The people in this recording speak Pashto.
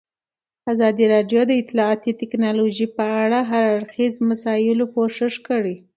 ازادي راډیو د اطلاعاتی تکنالوژي په اړه د هر اړخیزو مسایلو پوښښ کړی.